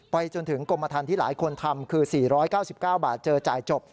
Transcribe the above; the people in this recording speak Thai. จนถึงกรมทันที่หลายคนทำคือ๔๙๙บาทเจอจ่ายจบ